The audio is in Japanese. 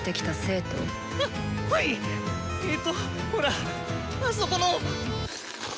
えとほらあそこの。